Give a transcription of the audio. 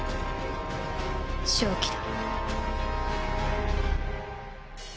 勝機だ。